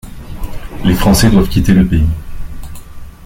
Les Français doivent quitter le pays.